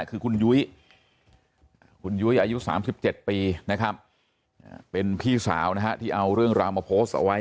คือคุณยุ้ยคุณยุ้ยอายุ๓๗ปีนะครับเป็นพี่สาวนะฮะที่เอาเรื่องราวมาโพสต์เอาไว้